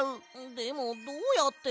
でもどうやって？